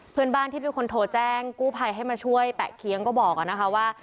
เพื่อนบ้านที่เป็นคนโทรแจ้งกู้ภัยให้มาช่วยแปะเคี้ยงก็บอกนะคะว่า